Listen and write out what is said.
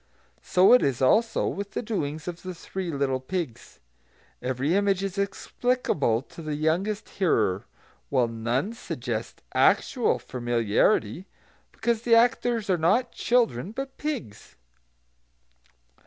So it is, also, with the doings of the three little pigs. Every image is explicable to the youngest hearer, while none suggests actual familiarity, because the actors are not children, but pigs.